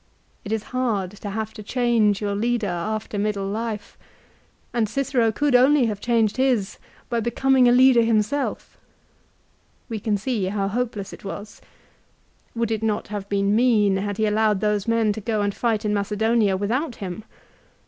It is hard to have to change your leader after middle life, and Cicero could only have changed his by becoming a leader himself. We can see how hopeless it was. Would it not have been mean had he allowed those men to go and fight in Macedonia without him ?